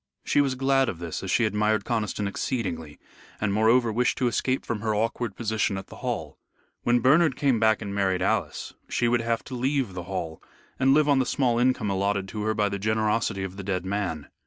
She was glad of this as she admired Conniston exceedingly, and, moreover, wished to escape from her awkward position at the Hall. When Bernard came back and married Alice, she would have to leave the Hall and live on the small income allotted to her by the generosity of the dead man.